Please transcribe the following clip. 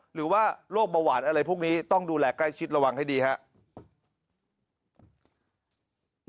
หรือว่าโรคเบาหวานอะไรพวกนี้ต้องดูแลใกล้ชิดระวังให้ดีครับ